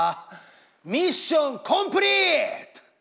ミッションコンプリート！